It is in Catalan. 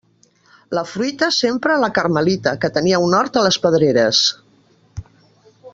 La fruita sempre a la Carmelita, que tenia un hort a les Pedreres.